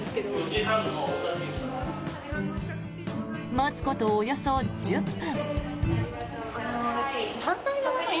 待つことおよそ１０分。